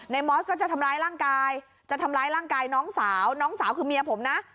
มอสก็จะทำร้ายร่างกายจะทำร้ายร่างกายน้องสาวน้องสาวคือเมียผมนะ